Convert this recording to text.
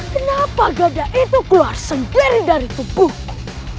kenapa gada itu keluar sempir dari tubuhku